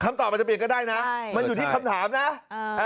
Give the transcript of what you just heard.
คำตอบอาจจะเปลี่ยนก็ได้นะมันอยู่ที่คำถามนะ